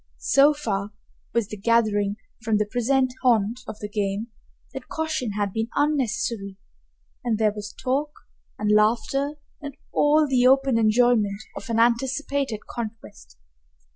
So far was the gathering from the present haunt of the game that caution had been unnecessary, and there was talk and laughter and all the open enjoyment of an anticipated conquest.